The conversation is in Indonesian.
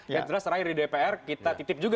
dan setelah di dpr kita titip juga